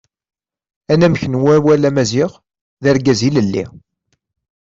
Anamek n wawal Amaziɣ d Argaz ilelli .